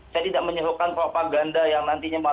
saya tidak menyerukan propaganda yang nantinya malu malu